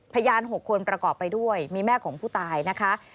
พยาน๖คนประกอบไปด้วยมีแม่ของผู้ตายนะคะ